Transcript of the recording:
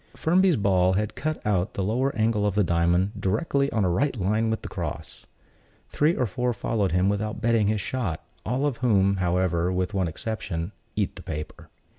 Firmby's ball had cut out the lower angle of the diamond, directly on a right line with the cross. Three or four followed him without bettering his shot; all of whom, however, with one exception, "eat the paper."